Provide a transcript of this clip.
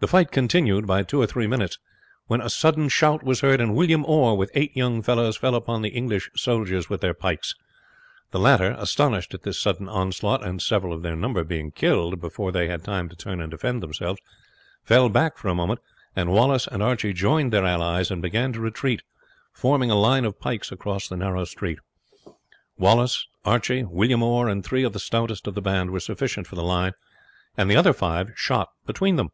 The fight continued by two or three minutes, when a sudden shout was heard, and William Orr, with eight young fellows, fell upon the English soldiers with their pikes. The latter, astonished at this sudden onslaught, and several of their number being killed before they had time to turn and defend themselves, fell back for a moment, and Wallace and Archie joined their allies, and began to retreat, forming a line of pikes across the narrow street. Wallace, Archie, William Orr, and three of the stoutest of the band were sufficient for the line, and the other five shot between them.